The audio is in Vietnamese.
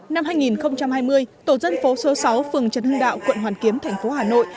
năm hai nghìn hai mươi tổ dân phố số sáu phường trần hưng đạo quận hoàn kiếm thành phố hà nội